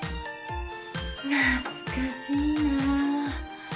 懐かしいな。